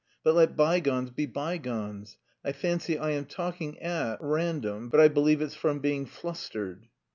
But let bygones be bygones. I fancy I am talking at random, but I believe it's from being flustered."